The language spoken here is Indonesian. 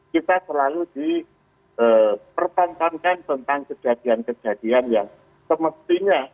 kita selalu dipertahankan tentang kejadian kejadian yang semestinya